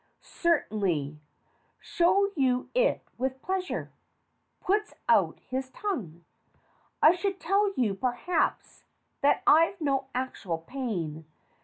Certainly. Show you it with pleasure. (Puts out his tongue.) I should tell you, perhaps, that I've no actual pain.